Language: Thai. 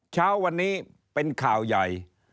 เช้าวันนี้เป็นข่าวใหญ่